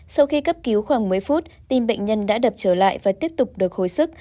sau khi cấp cứu khoảng một mươi phút tim bệnh nhân đã đập trở lại và tiếp tục được hồi sức